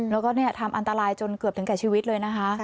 แล้วก็ทำอันตรายจนเกือบถึงแก่ชีวิตเลยนะคะ